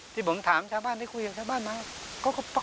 ที่ผมถามชาบ้านได้คุยกับชาบ้านมาแล้ว